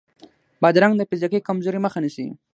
بادرنګ د فزیکي کمزورۍ مخه نیسي.